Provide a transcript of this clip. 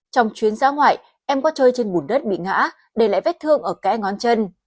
trong chuyến xã ngoại em có chơi trên bùn đất bị ngã để lại vết thương ở cãi ngón chân